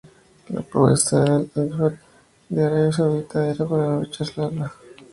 La propuesta de Al-Ettifaq de Arabia Saudita, "era para no rechazarla", agregó.